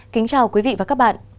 kính chào quý vị và các bạn